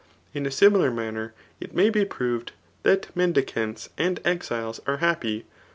In a similar manner [it may be proved that] mendicants and exiles are happy.